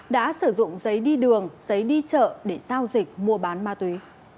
đã sử dụng giấy đi đường giấy đi chợ để giao dịch mua bán ma túy